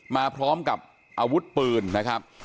มาพร้อมกับอาวุธปืนนะครับ